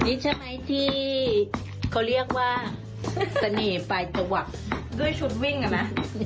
นี่ใช่ไหมที่เขาเรียกว่าเสน่ห์ปลายจังหวัดด้วยชุดวิ่งอ่ะนะ